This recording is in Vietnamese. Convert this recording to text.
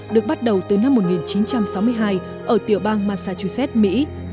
được bắt đầu từ năm một nghìn chín trăm sáu mươi hai ở tiểu bang massachusetts mỹ